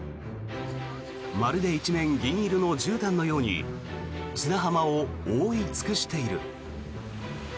まるで一面、銀色のじゅうたんのように砂浜を覆い尽くしている。